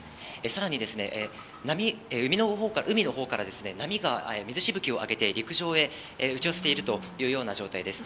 さらに海のほうから波が水しぶきを上げて陸上へ打ち寄せているというような状態です。